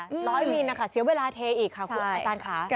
๑๐๐มิลลิเมตรเสียเวลาเทอีกค่ะคุณอาจารย์ค่ะ